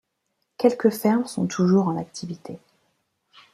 Quelques fermes sont toujours en activité.